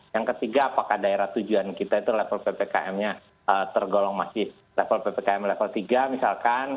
yang ketiga apakah daerah tujuan kita itu level ppkm nya tergolong masih level ppkm level tiga misalkan